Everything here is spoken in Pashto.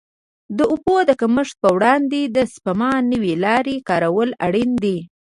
د اوبو د کمښت پر وړاندې د سپما نوې لارې کارول اړین دي.